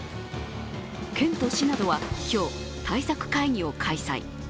県と市などは今日対策会議を開催。